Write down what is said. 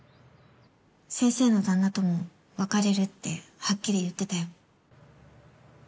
先生の旦那とも別れるってハッキリ言ってたよ。